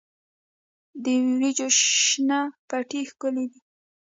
د وریجو شنه پټي ښکلي دي.